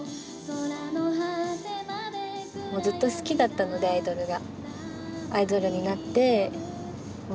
もうずっと好きだったのでアイドルが。